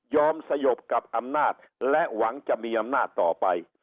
สยบกับอำนาจและหวังจะมีอำนาจต่อไป